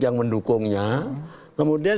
yang mendukungnya kemudian